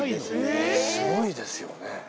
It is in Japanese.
すごいですね。